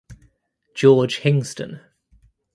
George Hingston.